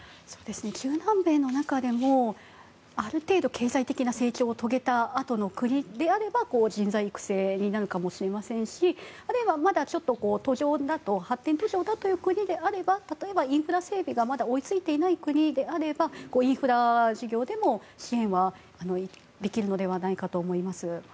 中南米の中でもある程度、経済的な成長を遂げたあとの国であれば人材育成になるかもしれませんしあるいは、まだちょっと発展途上という国だと例えばインフラ整備がまだ追い付いていない国であればインフラ事業でも支援はできるのではないかと思います。